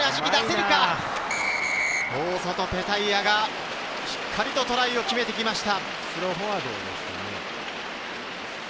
大外、ペタイアがしっかりとトライを決めてきました。